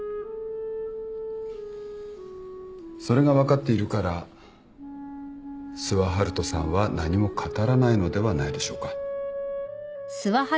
それが分かっているから諏訪遙人さんは何も語らないのではないでしょうか。